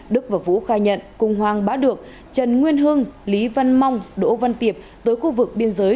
đức và vũ khai nhận cùng hoàng bá được trần nguyên hưng lý văn mong đỗ văn tiệp tới khu vực biên giới